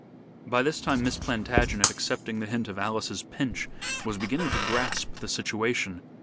By this time Miss Plantagenet, accepting the hint of Alice's pinch, was beginning to grasp the situation.